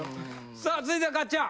さあ続いては勝ちゃん。